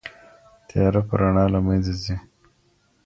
تياره په رڼا له منځه ځي.